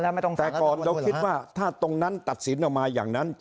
แต่ก่อนเราคิดว่าถ้าตรงนั้นตัดสินออกมาอย่างนั้น